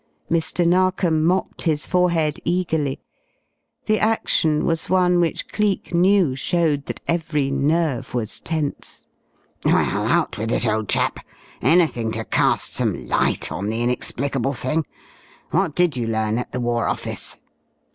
Mr. Narkom mopped his forehead eagerly. The action was one which Cleek knew showed that every nerve was tense. "Well, out with it, old chap! Anything to cast some light on the inexplicable thing. What did you learn at the War Office?"